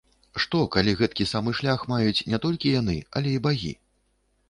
Што, калі гэткі самы шлях маюць не толькі яны, але і багі?